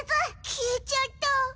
消えちゃった。